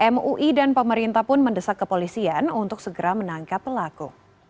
mui dan pemerintah pun mendesak kepolisian untuk segera menangkap pelaku